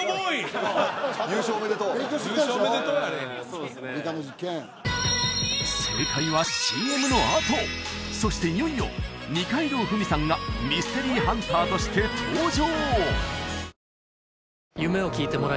そうですね理科の実験正解はＣＭのあとそしていよいよ二階堂ふみさんがミステリーハンターとして登場！